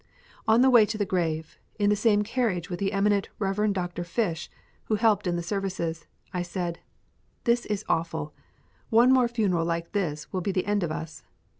On the way to the grave, in the same carriage with the eminent Reverend Dr. Fish, who helped in the services, I said, "This is awful. One more funeral like this will be the end of us."